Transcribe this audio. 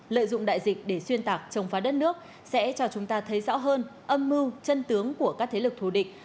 lợi dụng đại dịch để xuyên tạc chống phá đất nước sẽ cho chúng ta thấy rõ hơn âm mưu chân tướng của các thế lực thù địch